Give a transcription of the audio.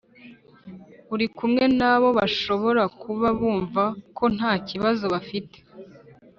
uri kumwe na bo Bashobora kuba bumva ko ntacyibazo bafite